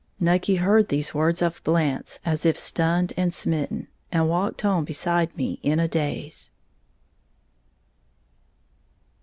Nucky heard these words of Blant's as if stunned and smitten, and walked home beside me in a daze.